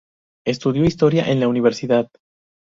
Estudió historia en la universidad.